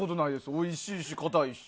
おいしいし、かたいし。